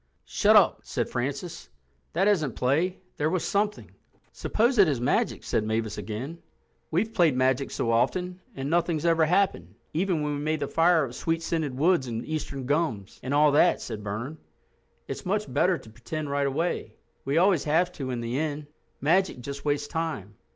"Shut up," said Francis. "That isn't play. There was something." "Suppose it is magic," said Mavis again. "We've played magic so often, and nothing's ever happened—even when we made the fire of sweet scented woods and eastern gums, and all that," said Bernard; "it's much better to pretend right away. We always have to in the end. Magic just wastes time.